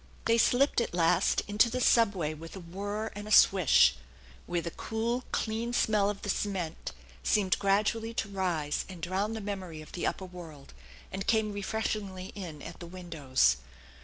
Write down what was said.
They slipped at last into the subway with a whir and a swish, where the cool, clean smell of the cement seemed gradually to rise and drown the memory of the upper world, and came refreshingly in at the windows.